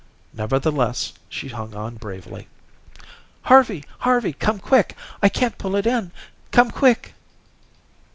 Nevertheless, she hung on bravely. "Harvey, Harvey, come quick. I can't pull it in. Come quick."